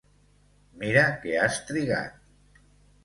Mira que has trigat.